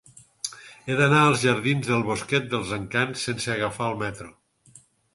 He d'anar als jardins del Bosquet dels Encants sense agafar el metro.